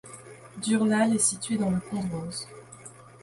Durnal est situé dans le Condroz.